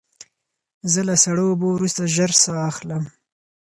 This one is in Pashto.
زه له سړو اوبو وروسته ژر ساه اخلم.